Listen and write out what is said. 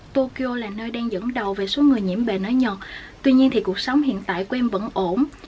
tokyo là nơi đang dẫn đầu về số người nhiễm bề ở nhật tuy nhiên thì cuộc sống hiện tại của em vẫn ổn